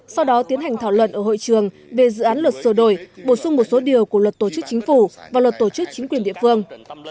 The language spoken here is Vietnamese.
sau đó tiến hành thảo luận ở hội trường về dự án luật sửa đổi bổ sung một số điều của luật tổ chức chính phủ và luật tổ chức chính quyền địa phương